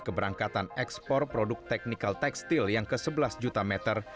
keberangkatan ekspor produk teknikal tekstil yang ke sebelas juta meter